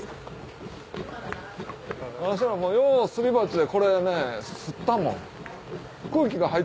私らもようすり鉢でこれねすったもん。